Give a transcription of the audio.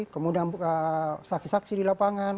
kemudian saksi saksi di lapangan